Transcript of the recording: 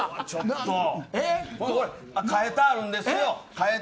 変えてあるんですよ。